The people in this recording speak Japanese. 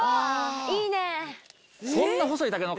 いいね。